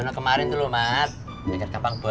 nah kamu siapa